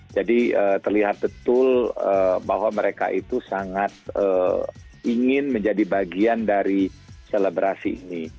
jadi terlihat betul bahwa mereka itu sangat ingin menjadi bagian dari selebrasi ini